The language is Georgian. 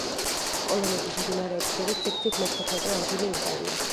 პოლონეთის მდინარეებს შორის სიგრძით მეთხუთმეტე ადგილი უკავია.